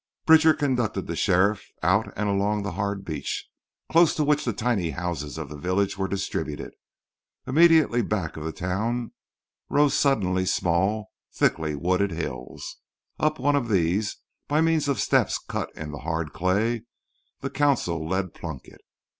Bridger conducted the sheriff out and along the hard beach close to which the tiny houses of the village were distributed. Immediately back of the town rose sudden, small, thickly wooded hills. Up one of these, by means of steps cut in the hard clay, the consul led Plunkett.